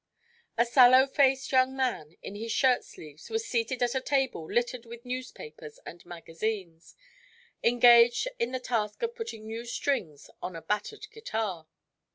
A sallow faced young man, in his shirt sleeves, was seated at a table littered with newspapers and magazines, engaged in the task of putting new strings on a battered guitar.